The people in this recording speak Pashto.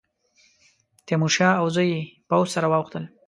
تیمورشاه او زوی یې پوځ سره واوښتل.